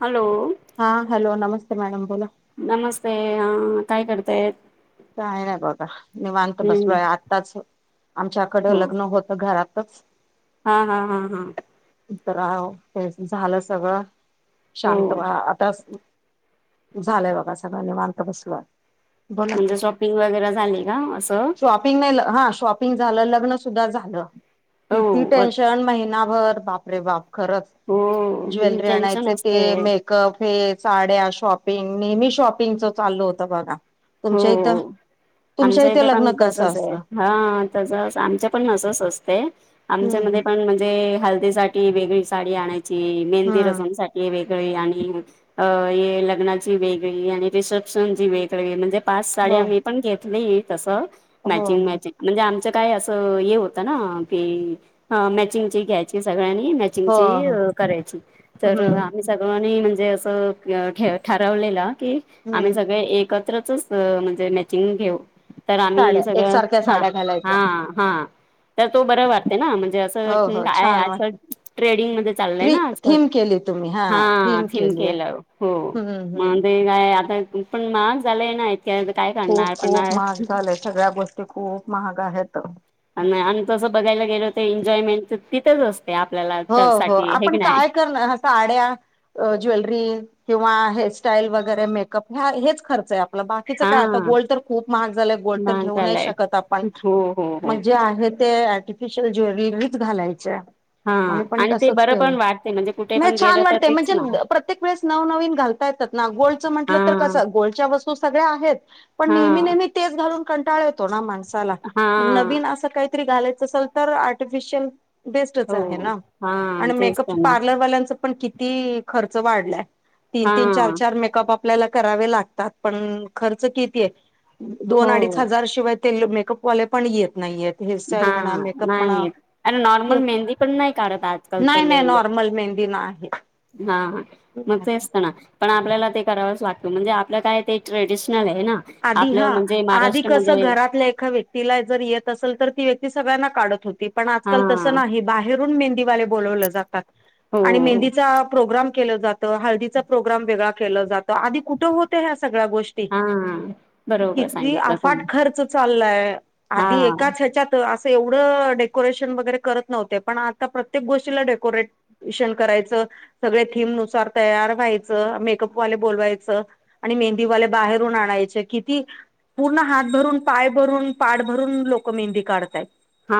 Hello हा hello नमस्ते madam बोला नमस्ते ह काय करताय कायनाय बघा निवांत हम्म बसलोय आत्ताच आमच्याकड हो लग्न होतं घरातच हा हा हा हा तर ते झालं सगळं हो शांत वा आता झालंय बघा सगळं निवांत बसलोय बोला की म्हणजे शॉपिंग वगैरे झाले का असं शॉपिंग नेलं ह शापिंग झालं लग्न सुद्धा झालं हो किती हो टेन्शन महिना र बाप रे बाप खरच ज्वेलरी टेन्शन आणायचे ते असतय मे कफे साड्या शॉपिंग नेहमी शॉपिंग च चाललं होत बघा तुमच्या इथं तुमच्या आमच्यां इथे लग्न पण कसं तसच आहे असतं हा त आमच्या पण असंच असते हम्म आमच्यामध्ये हम्म पण म्हणजे हल्दी सा ती वेगळी साडी आणायची मेंदी रसम हम्म सा हे वेगळे आणि अ लग्नाची वेगळी आणि रिसेप्शनची वेगळी म्हणजे पाच हो साड्या मी पण घेतली तसं हो मॅचिंग हो. मॅचिंग म्हणजे आमचं काय असं हे होतं ना की मॅचिंग ची घ्यायची सगळ्यांनी हो हो करायची तर हम्म. आम्ही स म्हणजे असं ठरवलेलं की आम्ही हम्म. सगळे एकत्रचच म्हणजे मॅचिंग घेऊ तर आम्ही साड्या सगळं एकसारख्या ह साड्या हा घालायच्या हा तर तो बर वाटते ना म्हणजे असं हो हो काय छान आजकाल वाटत. ट्रेडिंग मध्ये चाललंय थ्री ना आजकाल थीम केली तुम्ही हा थीम थिम केली आहे केल्याव हो हम्म म हम्म. [unintelligible] काय आता पण महाग झालंय ना इतक्या काय खूप करणार पण खूप महाग झालंय सगळ्या गोष्टी खूप महाग आहेत आणि तसं बघायला गेलो तर एन्जॉयमेंट तिथंच असते आपल्याला हो हो त्यासाठी हे आपण की नाही काय करणार साड्या ज्वेलरी किंवा हेअरस्टाईल वगैरे मेकअप ह हेच खर्च आहे आप बाकीच हा काय आता गोल्ड तर खूप महाग झालं गोल्ड तर महाग घेऊ नाही झालंय शकत आपण हो हो हो मग जे आहे ते आर्टिफिशल ज्वेलरीज घालायच्या हा आम् पण आणि ते तसच बरं पण केलंय वाटते म्हणजे कुठे नाही पण छान गेलं तर वाटते रिक्स म्हणजे ना प्रत्येक वेळेस नवनवीन घालत करत्यात ना गोल्डचं म्हटलं तर कस हा गोल्डच्या वस्तू सगळ्या आहेत पण हा नेहमी नेहमी तेच घालून कंटाळ येतो ना माणसाला मग हा नवीन अस काही घालायच असेल तर आर्टिफिशयल बेस्टच हो आहे ना हा आणि तेच तर मेकअप ना पार्लरवाल्यांच पण किती खर्च वाढलाय तीन हा तीन चार चार मेकअप आपल्याला करावे लागतात पण खर्च किती हो दोन अडीच हजार शिवाय ते मेकअपवाले पण येत नाहीयेत हा हेअरस्टाईल म्हणा मेकअप म्हणा नाही अरे नॉर्मल येत मेहंदी पण नाही काढत आजकालचे लय लोक मल मेहंदीना हा मग ते पण आपल्याला ते करावच लागत म्हणजे आपलं काय ते ट्रेडिशनल ए ना आधी हा आपल्या म्हणजे आधी कसं महाराष्ट्रामध्ये घरातल्या एका व्यक्तीला तिला जर येत असेल तर ती व्यक्ती सगळ्यांना काढत होती पण हा आजकाल तस नाही बाहेर मेहंदी वाले बोलावले जातात हो आणि मेंदीचा प्रोग्राम केला जात हळदीचा प्रोग्रम वेगळा केला जातो आधी कुठे होत्या ह्या सगळ्या गोष्टी हा बरोबर किती सांगितलं तुम्ही अफाट खर्च चाललाय हा आधी एकाच ह्याच्यात असं एवढं डेकोरेशन वगैरे करत नव्हते पण आता प्रत्येक गोष्टीला डेकोरेट [unintelligible] करायचं सगळे थीम नुसार तयार व्हायचं मेकअप वाले बोलवायचं. आणि मेहंदीवाल्या बाहेरून आणायचे. किती पूर्ण हात भरून पाय भरून पाड भरून लोक मेहंदी काढतायत. हा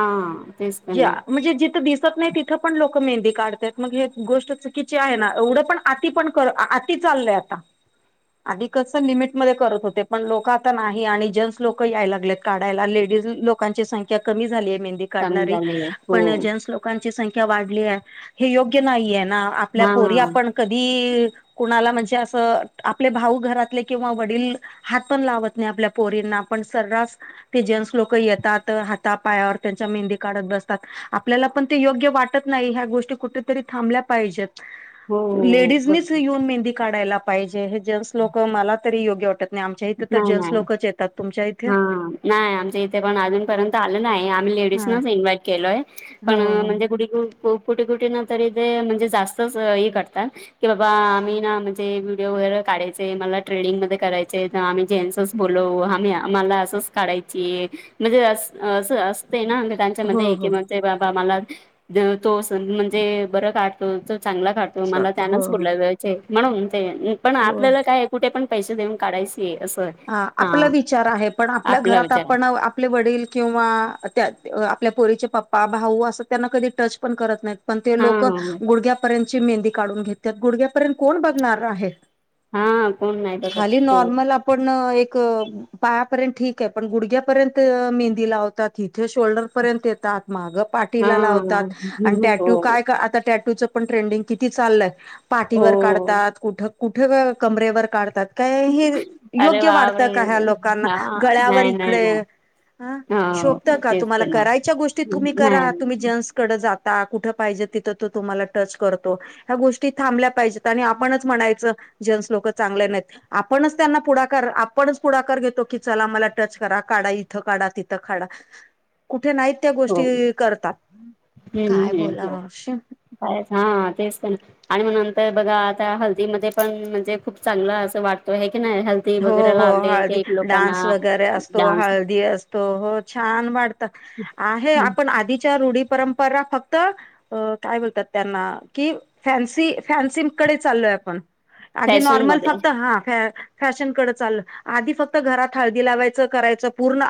तेच तर ज ना म्हणजे जिथं दिसत नाही तिथ. तथ पण लोक मेंदी काढतायेत मग हे गोष्ट चुकीची आहे ना एवढं पण आती पण कर आ आती चाललेय आ [unintelligible] आधी कसं लिमिटमध्ये करत होते. पण लोक आता नाही आणि जेंट्स लोक याय लागलेत काढायला लेडीज लोकांची संख्या कमी झाली आहे मेहंदी. चांगलं काढणारी झाले हो पण जेन्स लोकं लोकांची संख्या वाढलिये हे योग्य नाहीय ना आपल्या हा पोरी आप कधी कुणाला म्हणजे असं आपले भाऊ घरातले किंवा वडील हात पण लावत नाही आपल्या पोरींना पण सर्रास ते जेंट्स लोक येतात हाता पायावर त्यांच्या मेहंदी काढत बसतात. आपल्याला पण ते योग्य वाटत नाही ह्या गोष्टी कुठेतरी थांबल्या पाहिजेत. हो लेडीजनीच बरोबर येऊन मेहंदी काढायला पाहिजे हे जेंटस लोक मला तरी योग्य वाट तिथं तर नाही जेन्स नाही लोकच येतात. इथे? हा नाही आमच्या इथे पण अजूनपर्यंत आलं नाही आम्ही लेडीज हा नच इन्व्हाइट केलोय. हो पण हो. म्हणजे कुठ कुठे कुठे ना तरी ते म्हणजे जास्तच हे करतात. की बाबा आम्ही ना म्हणजे व्हिडिओ वगैरे काढायचे मला ट्रेडिंग मध्ये करायचे. आम्ही जेन्सच बोलव आम्ही आम्हाला असच काढायची म्हणजे अस असं असते ना. त्यांच्या हो मध्येय की हो म्हणजे बाबा मला तो म्हणजे बर काढतो तो चांगला काढतो. मला चालत हो त्यांनाच हो बोलायला जायचे म्हणून ते पण हो. आपल्याला काय कुठे पण पैसे देऊ. काडायशी असं. ह आपला विचार आहे पण आपल्या आपला घरात विचारा आपण आपले वडील किंवा त्या आपल्या पोरीचे पप्पा भाऊ असं त्यांना कधी टच पण करत नाहीत. पण ते हा लोक गुडघ्यापर्यंतची मेहंदी काढून घेतात गुडघ्यापर्यंत कोण बघणार आहे. हा हा कोण नाही बघत खाली हो नॉर्मल आपण एक पायापर्यंत ठीक आहे पण गुडघ्यापर्यंत मेहंदी लावतात. तिथे शोल्डर पर्यंत येतात माग हा पाठीला लावतात आणि हो टॅटू काय आता टॅटूच पण ट्रेंडिंग किती चालय. हो पाठीवर काढतात कुठ कुठ कमरेवर काढतात काय हे. अरे योग्य वाढत बापरे का ह्या लोकांना हा गळ्यावर नाही नाही इकडे नाही ह शोभत हो का तेच तुम्हाला तर ना करायच्या गोष्टी तुम्ही करा तुम् नाही जेन्स कडे जाता कुठ पाहिजे तिथं तो तुम्हाला टच करतो. ह्या गोष्टी थांबल्या पाहिजेत आणि आपणच म्हणायचं जेन्स लोक चांगल्या नाहीत आपणच त्यांना पुढा. आपणच पुढाकार घेतो की चला मला टच करा काढा इथं काढा तिथं काढा. कुठे नाहीत त्या हो गोष्टी करतात हम्म काय हम्म बोला. हो [unintelligible] [unintelligible] हा तेच तर ना आणि म नंतर बघा आता हल्दी मध्ये पण म्हणजे खूप चांगलं असं वाटतो आहे की नाही हेल्थ. हो हो हळदी डान्स वगैरे असतो डान्स हळदी असो. त हो छान वाटत आहे आपण आधीच्या रूढी परंपरा फक्त अ काय बोलतात त्यांना कि फॅन्सी फॅन्सीकडे चाललोय आपण आधी फॅशन नॉर्मल मध्ये फक्त हा फ फॅशनकडे चाललं. आधी फक्त घरात हळदी लावायचं करायचं पूर्ण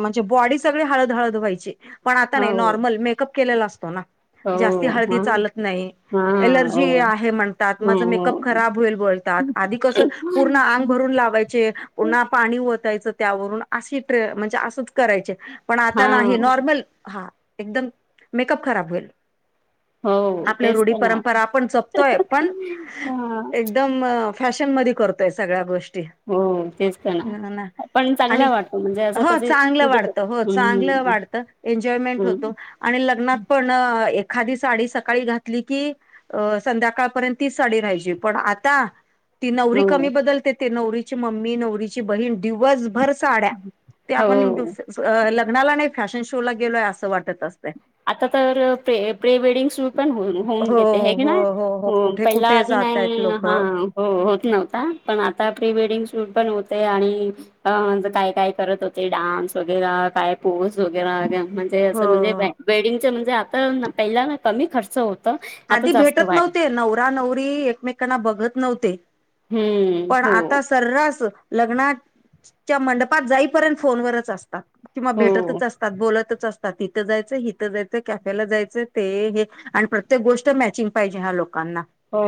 म्हणजे बॉडी सगळे हळद हळद व्हायची. पण आता हो नाही नॉर्मल मेकअप केलेला असतो ना हो जास्ती हळदी हा चालत नाही. हा एलर्जी हो आहे म्हणतात माझं मेकअप हो खराब होईल बोलतात आधी कसं पूर्ण आंग भरून लावायचे पु्हा पाणी ओतायच त्यावरून अ ट म्हणजे असंच कराय. पण आता नाही हा नॉर्मल हा एकदम मेकअप खराब होईल. हो आपल्या तेच रूढी तर ना परंपरा आपण जपतोय पण हा. एकदम म फॅशन मध्ये करतोय सगळ्या गोष्टी. हो तेच तर हा ना पण आणि चांगला वाटतो म्हणजे असं हो कसे चांगलं कुठे वाढतं हो चांगलं हम्म वाढत. एन्जॉयमेंट होतो हम्म आणि लग्नात पण एखादी साडी सकाळी घातली की अ संध्याकाळपर्यंत तीच साडी राहायची पण आता ती नवरी हो कमी बदलते ती नवरीची मम्मी नवरीची बहीण दिवसभर साड्या त ते आपण हो लग्नाला नाही फॅशन शो ला गेलोय असं वाटत असतय. आता तर प्र -प्री वेडिंग शूट पण होऊ होऊन हो घेते हे की हो नाय. हो कुठे पहिला कुठे आधी जात आहेत नाही लोक हा. हो होत नव्हता पण आता प्री वेडिंग शूट पण होतय आणि अ म्हणजे काय काय करत होते डान्स वगैरे काय पोज वगैर म्हण अस म्हणजे हो वेडिंग म्हणजे आता पहिला ना कमी खर्च होत आता आधी जास्त भेटत वाढ नव्हते नवरा नवरी एकमेकांना बघत नव्हते हम्म पण हो आता अस सर्रास लग्नाच्या मंडपात जाईपर्यंत फोनवरच असतात. किंवा हो भेटतच असतात बोलतच अस तिथं जायचं इथं जायचं कॅफेला जायचं ते हे आणि प्र तेक गोष्ट मॅचिंग पाहिजे हा लोकांना. हो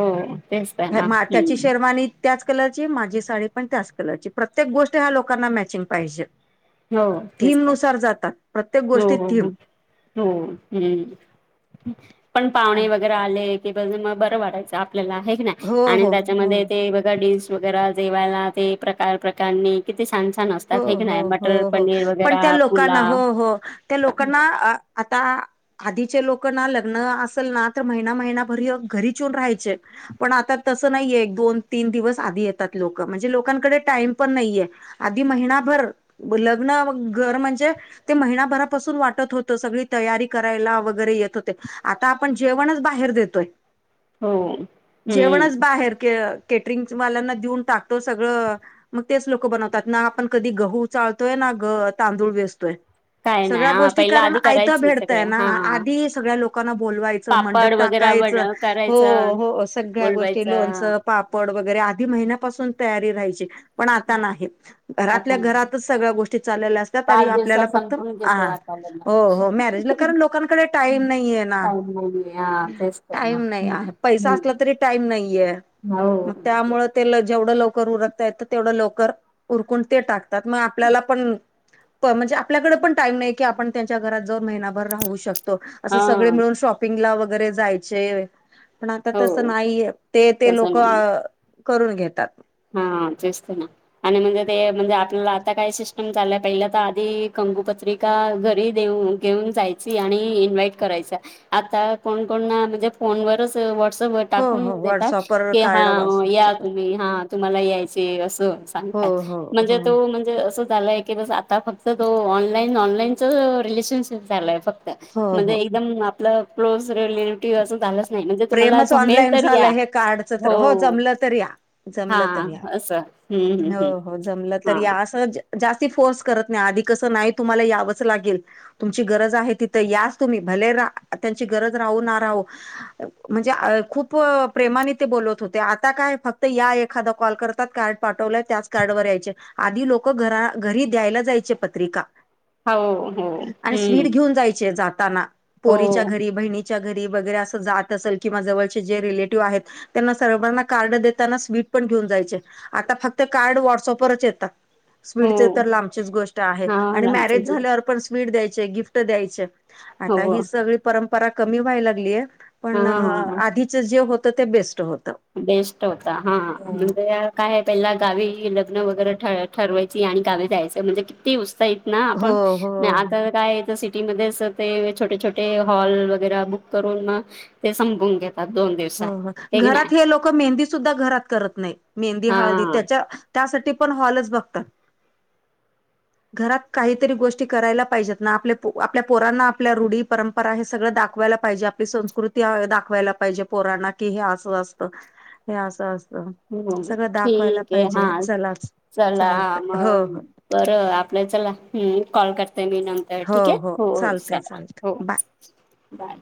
तेच ते ना त्याची हम्म. शेरवानी त्याच कलरची माझी साडी पण त्याच कलरची प्रत्येक गोष्ट ह्या लोकांना मॅचिंग पाहिजे. हो तेच थीम तर नुसार जातात प्रत्येक हो गोष्टीत हो हो थीम. हो हम्म पण पाहुणे आणखी वगैरे आले ते बघून मग बरं वाटायच आपल्याला हे की नाय हो आणि हो हो त्याच्यामध्ये ते बघा डीस वगैरे जेवायला ते प्रकार प्रकारणी किती छान छान हो, असतात हे की हो, नाही म हो हो पण त्या लोकांना हो हो त्या लोकांना अ आता आधीचे लोक ना लग्न असेल ना तर महिना महिनाभर घरीच येऊन राहायचे. पण आता तसं नाहीये एक दोन तीन दिवस आधी येतात लोक म्हणजे लोकांकडे टाइम पण नाहीये. आधी महिनाभर लग्न घर म्हणजे ते महिनाभरापासून वाटत होत सगळी तयारी करायला वगैरे येत होते. आता आपण जेवणच बाहेर देतोय हो जेवणच हम्म बाहेर कटरिंगस वाल्यांना देऊन टाकतो सगळं मग तेच लोक बनव त्यात ना आपण कधी गहू चालतोय ना ग तांदूळ वेचतोय. काय नाही सगळ्या हा गोष्टी पहिला कारण आधी आयत्या करायची सगळे भेडताय ना हा आधी सगळ्या लोकांना बोलवाय मंडप पापड वगैरे टाकायच वड हो करायचं हो सगळ्या गोष्टी बोलवायचं लोणचं पापड वगैरे आधी महिन्यापासून तयारी राहायची पण आता नाही. आता घरातल्या नाही घरातच सगळ्या गोष्टी चाललेल्या असतात तरी पाच आपल्याला दिवसात फक्त संपून आ घेतो आता लग्न हो हो मॅरेजला कारण लोकांकडे टाईम नाही आहे ना. टाईम नाहीये हा तेच तर ना. टाईम नाही हम्म आहे पैसा असला तरी हम्म टाईम नाहीये. हो मग तेच त्यामुळं की. जेवढं लवकर उरकता येइल तेवढं लवकर उरकून ते टाकतात मग आपल्याला पण ण म्हणजे आपल्याकडे पण टाईम नाही की आपण त्यांच्या घरात जाऊन महिनाभर राहू शकतो असं हा सगळे मिळून शॉक पिंगला वगैरे जायचे पण आता हो तस नाहीये ते ते तसं लोक नाही. करून घेतात. हा तेच ते ना. आणि म्हणजे ते म्हणजे आपल्याला आता काय सिस्टम चालय पहिल्या तर आधी कंगुपत्री एका घरी देऊ घेऊन जायची आणि इन्व्हाइट करायचा. आता कोणकोण म्हणजे फोनवरच व्हॉट्सअपवर हो टाकवून हो देतात व्हॉट्सअपवर की हा कार्ड या वापर तुम्ही हा. लग्नाला यायचे असं हो सांगतात हो हो म्हणजे तो म्हणजे अस झाय की बस आता फक्त तो ऑनलाईन ऑनलाईनच रिलेशनशिप चालाय फक्त. हो म्हणजे हो एकदम आपलं [unintelligible] रिलेटिव्ह असं झालं. प्रेमच ऑनलाईन झालं हे कार्डच तर हो जमलं तर या. हा जमलं तर या, असं हम्म हम्म हो हो जमलं तर या हम्म असं जास्ती फोर्स करत नाही आधी कसं नाही तुम्हाला यावंच लागेल. तुमची गरज आहे तिथं यास तुम्ही भले रा त्यांची गरज राहू ना राहू. म्हणजे खूप प्रेमाने ते बोलवत होते आता काय फक्त या एखादा कॉल करतात का पाठवल्या त्याच कार्ड वर यायचे आधी लोक घ घरी द्यायला जायचे पत्रिका. हा हो हो आणि हम्म स्वीट घेऊन जायचे जाताना. हो पोरीच्या घरी बहिणीच्या घरी वगैरे अस जात तसल की माझ जवळचे जे रिलेटिव्ह आहेत त्यांना सर्वांना कार्ड देताना स्वीट पण घेऊन जायचे. आता फक्त कार्ड व्हॉट्सअपवरच येतात. हो स्वीटचे तर लांबचेच गोष्ट आहे हा आणि मॅरेज रामचंद्र झाल्यावर पण स्वीट द्यायचे, गिफ्ट द्यायचे. हो आता ही सगळी परंपरा कमी व्हाय लागलीय हा पण हा आधी जे होत ते बेस्ट होत. बेस्ट होता हा म्हणजे काय पहिला गावी लग्न वगैरे ठरत ठरवायची आणि गावी जायचं म्हणजे ते उस्ताइत ना हो आपण हो आता काय तर सिटीमध्ये ते छोटे-छोटे हॉल वगैरे बुक करून मग, ते संपून घेत. हो हो घरात हे लोक मेहंदी सुद्धा घरात करत नाही मेहंदी हळदी हा त्याच्या त्यासाठी पण हॉलच बघतात. [inaudible] घरात काहीतरी गोष्टी करायला पाहिजेत ना आपल्या आपल्या पोरांना आपल्या रूढी परंप परा हे सगळं दाखवायला पाहिजे आपली संस्कृती दाखवायला पाहिजे. पोरांना कि हे असं असत हे असं असतं. हो सगळं दाखवायला ठीक आहे पाहिजे हा, चलाच चला चालत हो मग. हो बर आपल्या चला कॉल करते मी नंतर हो ठीक हो आहे चालतय चालत चला. Bye bye.